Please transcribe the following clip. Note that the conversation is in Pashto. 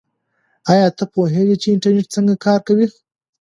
آیا ته پوهېږې چې انټرنیټ څنګه کار کوي؟